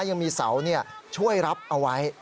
ยังมีเสาช่วยรับเอาไว้